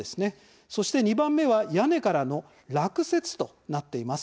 そして２番目は屋根からの落雪となっています。